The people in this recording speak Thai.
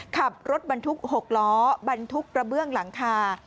ขับรถบรรทุก๖ล้อบรรทุกกระเบื้องหลังคา